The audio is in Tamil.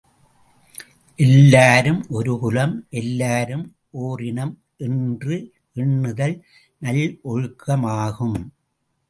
எல்லாரும் ஒரு குலம் எல்லாரும் ஒர் இனம் என்று எண்ணுதல் நல்லொழுக்கமாகும்.